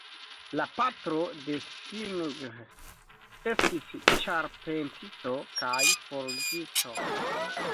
La patro de Singh estis ĉarpentisto kaj forĝisto.